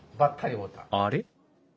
あれ？